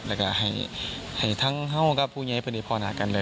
แล้วก็ให้ทั้งห้องก็พูดง่ายปฏิพรหากันเลย